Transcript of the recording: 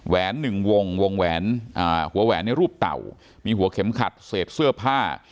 หนึ่งวงวงแหวนหัวแหวนในรูปเต่ามีหัวเข็มขัดเศษเสื้อผ้า